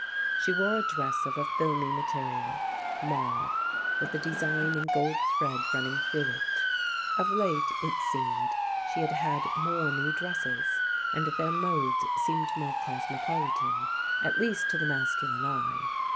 She wore a dress of a filmy material, mauve, with a design in gold thread running through it. Of late, it seemed, she had had more new dresses: and their modes seemed more cosmopolitan; at least to the masculine eye.